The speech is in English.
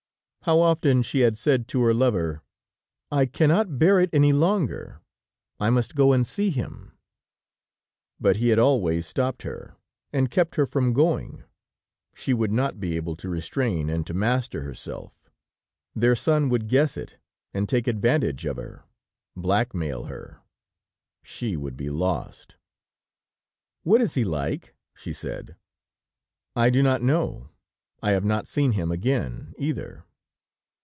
How often she had said to her lover: "I cannot bear it any longer; I must go and see him." But he had always stopped her, and kept her from going. She would not be able to restrain and to master herself; their son would guess it and take advantage of her, blackmail her; she would be lost. "What is he like?" she said. "I do not know; I have not seen him again, either."